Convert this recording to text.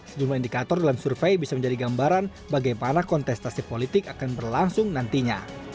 sejumlah indikator dalam survei bisa menjadi gambaran bagaimana kontestasi politik akan berlangsung nantinya